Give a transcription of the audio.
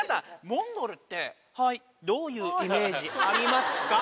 モンゴルってはいどういうイメージありますか？